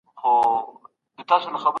د مسایلو د حل لپاره سیستماتیکه لاره وکاروئ.